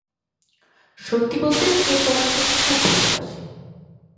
সত্যি বলতে, সে তোমাকে খুব ভালোবাসে।